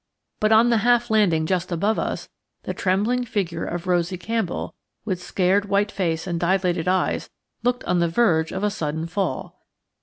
But on the half landing just above us the trembling figure of Rosie Campbell, with scared white face and dilated eyes, looked on the verge of a sudden fall.